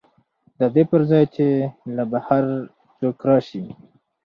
د دې پر ځای چې له بهر څوک راشي